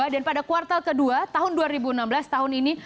dan pada kuartal ke dua tahun dua ribu enam belas tahun ini